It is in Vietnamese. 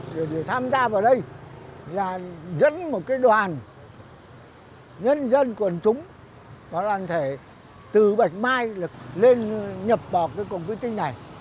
điều gì tham gia vào đây là dẫn một cái đoàn nhân dân quần chúng vào đoàn thể từ bạch mai lên nhập bọc cái cổng quy tinh này